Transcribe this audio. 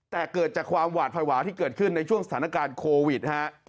แต่เกิดจากความหวาดภาวะที่เกิดขึ้นในช่วงสถานการณ์โควิดฮะ